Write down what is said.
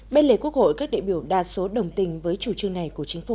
bên lề quốc hội các đại biểu đa số đồng tình với chủ trương này của chính phủ